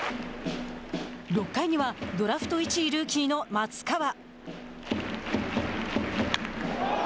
７回には、ドラフト１位ルーキーの松川。